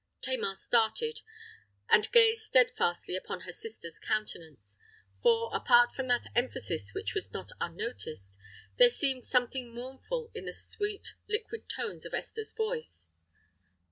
Tamar started, and gazed steadfastly upon her sister's countenance; for, apart from that emphasis which was not unnoticed, there seemed something mournful in the sweet, liquid tones of Esther's voice.